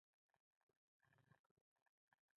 لږ ژوبل شوم